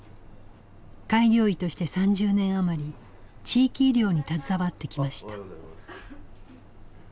開業医として３０年余り地域医療に携わってきました。